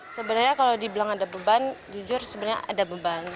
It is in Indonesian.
sebenarnya kalau dibilang ada beban jujur sebenarnya ada beban